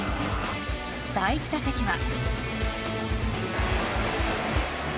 第１打席は。